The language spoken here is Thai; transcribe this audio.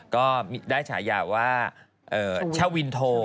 ก็ได้ฉายาว่าชวินโท